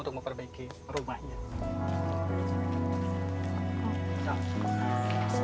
untuk memperbaiki rumahnya